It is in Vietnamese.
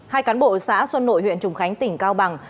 hai cán bộ xã xuân nội huyện trùng khánh tỉnh cao bằng